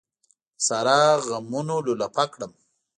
د سارا غمونو لولپه کړم.